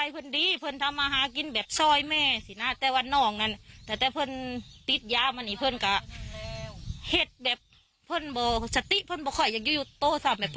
ปกติน้องกับอ้ายอย่างนี้ปัญหากันเปล่าครับ